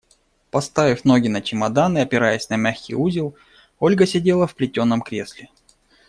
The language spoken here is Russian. Поставив ноги на чемодан и опираясь на мягкий узел, Ольга сидела в плетеном кресле.